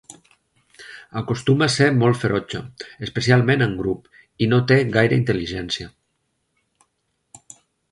Acostuma a ser molt ferotge, especialment en grup, i no té gaire intel·ligència.